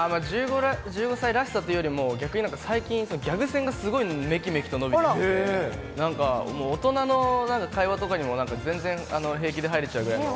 １５歳らしさというよりも、逆に最近ギャグ線がめきめきと伸びてきて、なんかもう大人の会話とかにも全然平気で入れちゃうぐらいの。